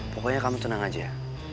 pokoknya kamu tenang aja